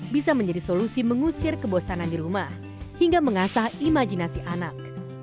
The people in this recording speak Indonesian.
bisa menjadi solusi mengusir kebosanan di rumah hingga mengasah imajinasi anak